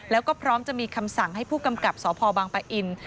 แล้วก็พร้อมจะมีคำสั่งให้ผู้กำกับสพบางปะอิน